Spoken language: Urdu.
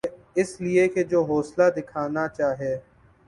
اس لئے کہ جو حوصلہ دکھانا چاہیے۔